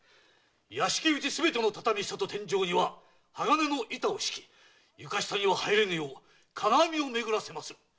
屋敷内すべての畳下と天井には鋼の板を敷き床下には入れぬよう金網を巡らせまする。